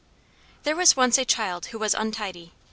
] There was once a child who was untidy.